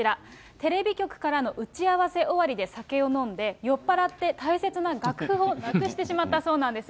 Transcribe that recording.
テレビ局からの打ち合わせ終わりで酒を飲んで、酔っぱらって大切な楽譜をなくしてしまったそうなんです。